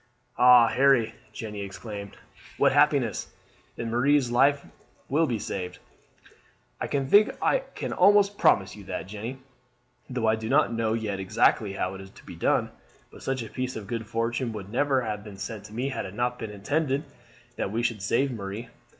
"Oh, Harry," Jeanne exclaimed, "what happiness! Then Marie's life will be saved." "I think I can almost promise you that, Jeanne, though I do not know yet exactly how it's to be done. But such a piece of good fortune would never have been sent to me had it not been intended that we should save Marie.